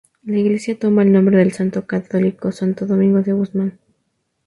La iglesia toma el nombre del santo católico Santo Domingo de Guzmán.